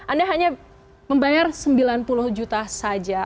anda hanya membayar sembilan puluh juta saja